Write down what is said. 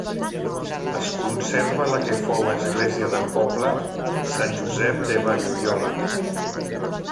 Es conserva la que fou església del poble, Sant Josep de Valloriola.